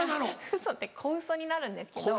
ウソって小ウソになるんですけど。